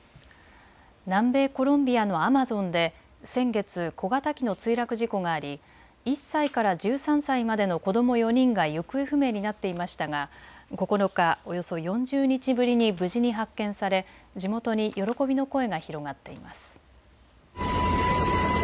南米・コロンビアのアマゾンで先月、小型機の墜落事故があり１歳から１３歳までの子ども４人が行方不明になっていましたが９日、およそ４０日ぶりに無事に発見され地元に喜びの声が広がっています。